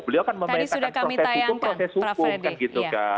beliau kan memetakan proses hukum proses hukum kan gitu kan